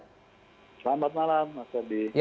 selamat malam mas serdi